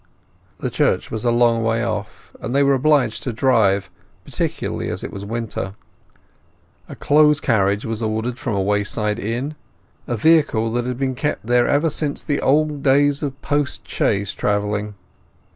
The church was a long way off, and they were obliged to drive, particularly as it was winter. A closed carriage was ordered from a roadside inn, a vehicle which had been kept there ever since the old days of post chaise travelling.